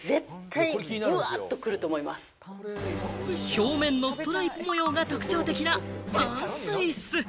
表面のストライプ模様が特徴的なパンスイス。